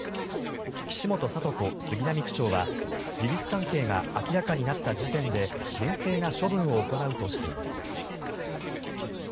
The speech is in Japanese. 岸本聡子杉並区長は事実関係が明らかになった時点で厳正な処分を行うとしています。